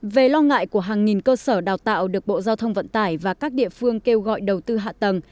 về lo ngại của hàng nghìn cơ sở đào tạo được bộ giao thông vận tải và các địa phương kêu gọi đầu tư hạ tầng